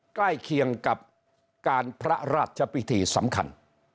ใกล้เคียงกับการพระราชพิธีสำคัญ